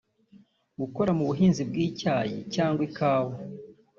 gukora mu buhinzi bw’icyayi cyangwa ikawa